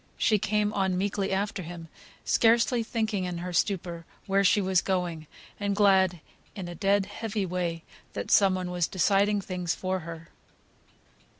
She came on meekly after him, scarcely thinking in her stupor where she was going, and glad (in a dead, heavy way) that some one was deciding things for her.